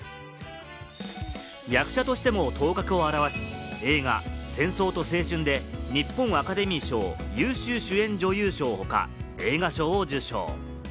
役者としても頭角を現し、映画『戦争と青春』で日本アカデミー賞・優秀主演女優賞他、映画賞を受賞。